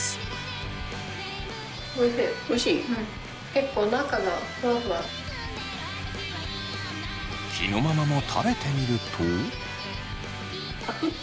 結構きのママも食べてみると。